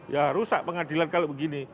ya rusak pengadilan kalau begini